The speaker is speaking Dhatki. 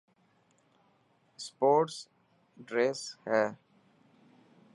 اسپورٽس ڊريسن هي.